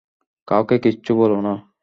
কাউকে কিচ্ছু বলো না!